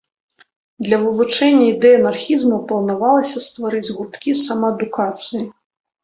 Для вывучэння ідэй анархізму планавалася стварыць гурткі самаадукацыі.